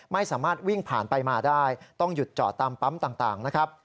ไม่สามารถวิ่งผ่านไปมาได้ต้องหยุดจอดตามปั๊มต่างนะครับ